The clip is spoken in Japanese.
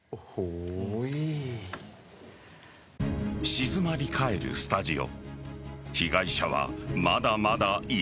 静まり返るスタジオ。